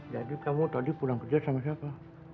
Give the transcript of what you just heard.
jadi kamu tadi pulang kerja sama siapa